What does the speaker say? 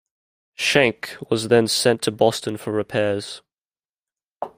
"Schenck" was then sent to Boston for repairs.